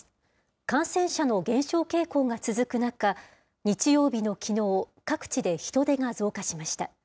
感染者の減少傾向が続く中、日曜日のきのう、各地で人出が増加しました。